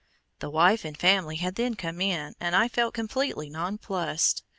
The wife and family had then come in, and I felt completely nonplussed.